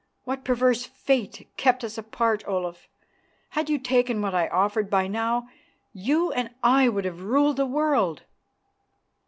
"What perverse fate kept us apart, Olaf? Had you taken what I offered, by now you and I would have ruled the world."